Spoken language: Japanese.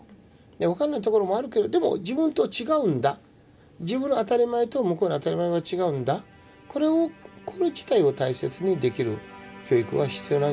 分からないところもあるけどでも自分と違うんだ自分の当たり前と向こうの当たり前は違うんだこれ自体を大切にできる教育が必要なんじゃないかなと思うんですね。